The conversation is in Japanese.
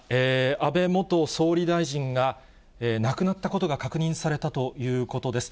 安倍元総理大臣が、亡くなったことが確認されたということです。